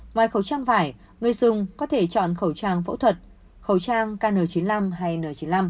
ngoài khẩu trang vải người dùng có thể chọn khẩu trang phẫu thuật khẩu trang kn chín mươi năm hay n chín mươi năm